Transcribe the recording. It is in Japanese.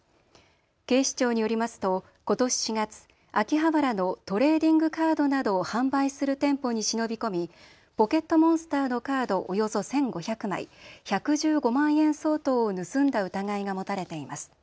警視庁によりますと、ことし４月秋葉原のトレーディングカードなどを販売する店舗に忍び込みポケットモンスターのカードおよそ１５００枚１１５万円相当を盗んだ疑いが持たれています。